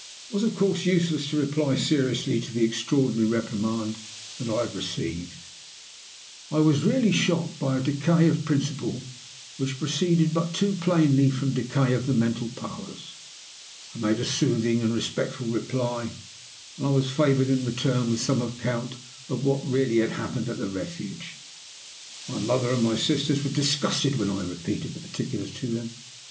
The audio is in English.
"It was, of course, useless to reply seriously to the extraordinary reprimand that I had received. Besides, I was really shocked by a decay of principle which proceeded but too plainly from decay of the mental powers. I made a soothing and respectful reply, and I was favored in return with some account of what had really happened at the Refuge. My mother and my sisters were disgusted when I repeated the particulars to them.